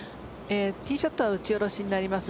ティーショットは打ち下ろしになります。